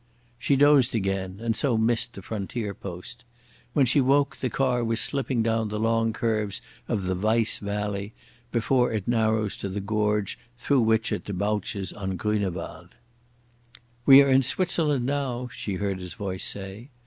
She dozed again and so missed the frontier post. When she woke the car was slipping down the long curves of the Weiss valley, before it narrows to the gorge through which it debouches on Grünewald. "We are in Switzerland now," she heard his voice say.